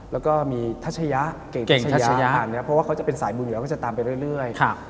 แล้วมีถัดใชญะเก่งถัดใชญะเพราะเขาจะเป็นสายบุญก็จะตามไปเรื่อย